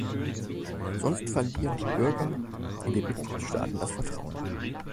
Sonst verlieren die Bürger in den Mitgliedstaaten das Vertrauen.